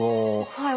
はい。